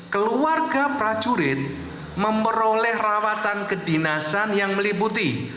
keluarga prajurit memperoleh rawatan kedinasan yang meliputi